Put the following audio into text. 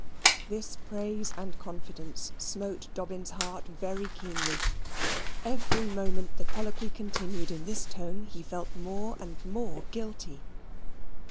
This praise and confidence smote Dobbin's heart very keenly. Every moment the colloquy continued in this tone, he felt more and more guilty.